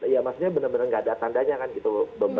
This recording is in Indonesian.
ya maksudnya benar benar nggak ada tandanya kan gitu